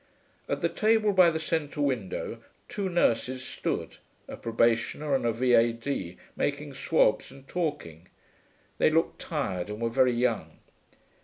At the table by the centre window two nurses stood, a probationer and a V.A.D., making swabs and talking. They looked tired, and were very young.